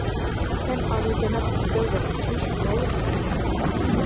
سەن ئالىيجاناب، ۋىجدانلىق، سۆيۈشكە لايىق يىگىتسەن.